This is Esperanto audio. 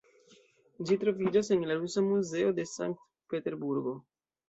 Ĝi troviĝas en la Rusa Muzeo de Sankt-Peterburgo.